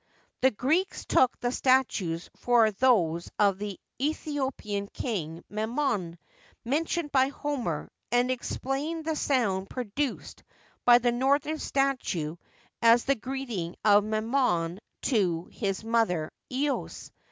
The Greeks took the statues for those of the Aethiopian kine Memnon, mentioned by Homer, and explained the sound produced by the northern statue as the greeting of Memnon to his mother, Eos.